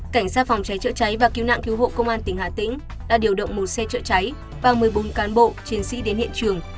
cảnh sát phòng cháy chữa cháy và cứu nạn cứu hộ công an tỉnh hà tĩnh đã điều động một xe chữa cháy và một mươi bốn cán bộ chiến sĩ đến hiện trường